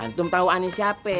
antum tau aneh siapa